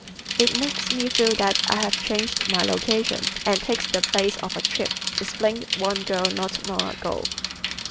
"It makes me feel that I have changed my location and takes the place of a trip," explained one girl not long ago.